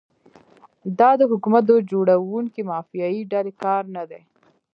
دا د حکومت د جوړونکي مافیایي ډلې کار نه دی.